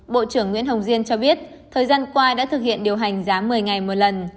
bộ trưởng nguyễn hồng diên cho biết thời gian qua đã thực hiện điều hành giá một mươi ngày một lần